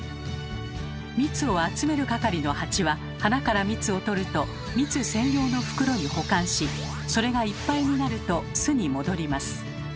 蜜を集める係のハチは花から蜜を採ると蜜専用の袋に保管しそれがいっぱいになると巣に戻ります。